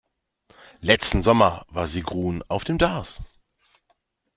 Letzten Sommer war Sigrun auf dem Darß.